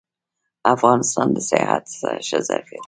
افغانستان د سیاحت ښه ظرفیت لري